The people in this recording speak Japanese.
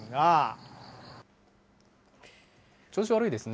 調子悪いですね。